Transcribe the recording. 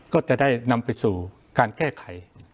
ก็จะได้นำไปสู่การแก้ไข